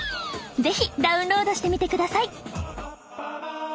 是非ダウンロードしてみてください